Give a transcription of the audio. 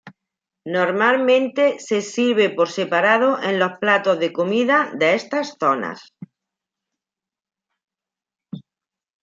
Normalmente se sirve por separado en los platos de comida de estas zonas.